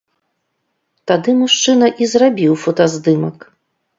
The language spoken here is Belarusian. Тады мужчына і зрабіў фотаздымак.